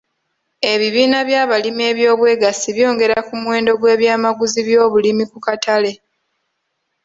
Ebibiina by'abalimi eby'obwegassi byongera ku muwendo gw'eby'amaguzi by'obulimi ku katale.